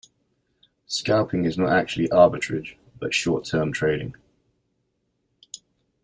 Scalping is not actually arbitrage, but short term trading.